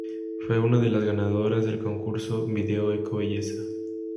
Fue una de las ganadoras del concurso "Video Eco-Belleza".